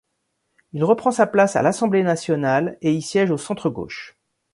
Il reprend sa place à l'Assemblée nationale et y siège au centre gauche.